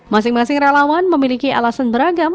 masing masing relawan memiliki alasan beragam